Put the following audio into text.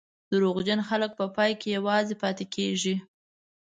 دروغجن خلک په پای کې یوازې پاتې کېږي.